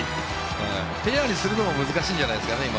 フェアにするのも難しいんじゃないですかね。